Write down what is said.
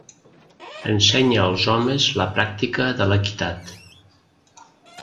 Ensenya als homes la pràctica de l'equitat.